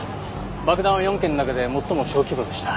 爆弾は４件の中で最も小規模でした。